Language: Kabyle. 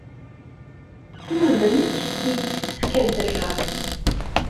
Ur d nekk ay yessefken ad d-rreɣ.